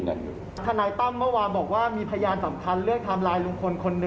ฟังท่านเพิ่มค่ะบอกว่าถ้าผู้ต้องหาหรือว่าคนก่อเหตุฟังอยู่